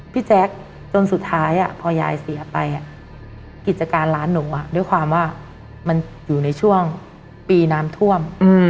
แจ๊คจนสุดท้ายพอยายเสียไปกิจการร้านหนูด้วยความว่ามันอยู่ในช่วงปีน้ำท่วม